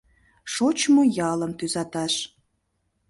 Шочмо ялым тӱзаташ